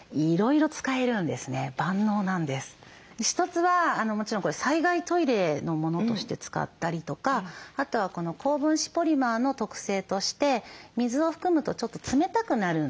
一つはもちろん災害トイレのものとして使ったりとかあとは高分子ポリマーの特性として水を含むとちょっと冷たくなるんです。